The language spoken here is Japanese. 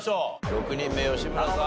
６人目吉村さん